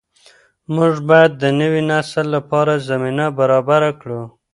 موږ باید د نوي نسل لپاره زمینه برابره کړو.